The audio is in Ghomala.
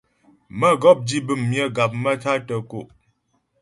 Mə́gɔp di bəm myə gap maə́tá tə́ kǒ'.